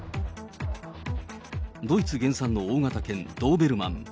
ドイツ原産の大型犬、ドーベルマン。